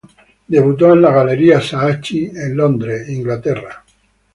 Debutó en la Galería Saatchi en Londres, Inglaterra.